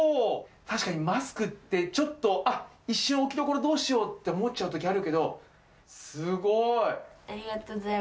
確かにマスクって、ちょっと、あっ、一瞬、置き所どうしようって思っちゃうときあるけど、すごい！